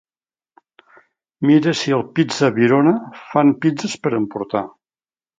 Mira si al Pizza Virona fan pizzes per emportar.